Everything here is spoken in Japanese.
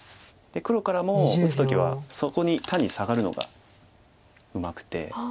黒からも打つ時はそこに単にサガるのがうまくて。